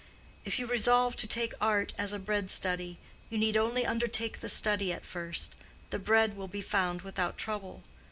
If you resolve to take art as a bread study, you need only undertake the study at first; the bread will be found without trouble.